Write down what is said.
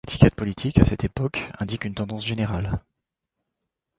Les étiquettes politiques à cette époque indiquent une tendance générale.